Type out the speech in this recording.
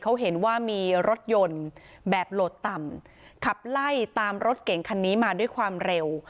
เขาเห็นว่ามีรถยนต์แบบโหลดต่ำขับไล่ตามรถเก่งคันนี้มาด้วยความเร็ว